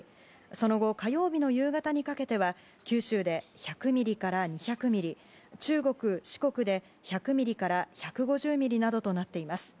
その後、火曜日の夕方にかけては九州で１００ミリから２００ミリ中国・四国で１００ミリから１５０ミリなどとなっています。